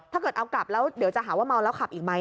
ถ้าเกิดเอากลับแล้วเดี๋ยวจะหาว่าเมาแล้วขับอีกไหม